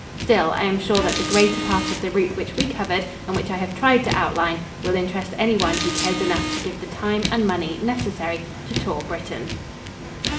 Still, I am sure that the greater part of the route which we covered and which I have tried to outline will interest anyone who cares enough to give the time and money necessary to tour Britain.